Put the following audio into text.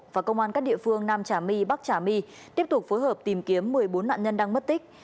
và công an các địa phương nam trà my bắc trà my tiếp tục phối hợp tìm kiếm một mươi bốn nạn nhân đang mất tích